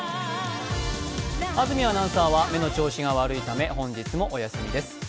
安住アナウンサーは目の調子が悪いため本日もお休みです。